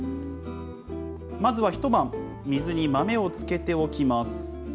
まずは一晩、水に豆をつけておきます。